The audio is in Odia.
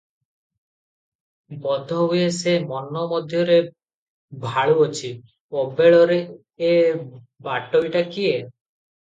ବୋଧହୁଏ ସେ ମନ ମଧ୍ୟରେ ଭାଳୁଅଛି, ଅବେଳରେ ଏ ବାଟୋଇଟା କିଏ?